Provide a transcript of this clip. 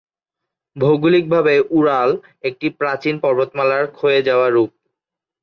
ভৌগোলিকভাবে উরাল একটি প্রাচীন পর্বতমালার ক্ষয়ে যাওয়া রূপ।